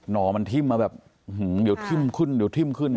หน่อมันทิ่มมาแบบเดี๋ยวทิ่มขึ้น